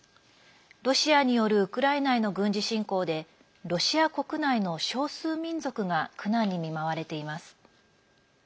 ロシアによるウクライナへの軍事侵攻でロシア国内の少数民族が苦難に見舞われています。